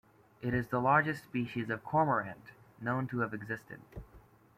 It is the largest species of cormorant known to have existed.